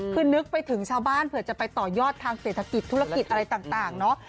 คือนึกไปถึงชาวบ้านเผื่อจะไปต่อยอดทางเศรษฐกิจธุรกิจอะไรต่างเนาะ